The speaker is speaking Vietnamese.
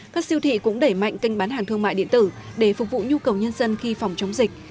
các siêu thị cũng đẩy mạnh kênh bán hàng thương mại điện tử để phục vụ nhu cầu nhân dân khi phòng chống dịch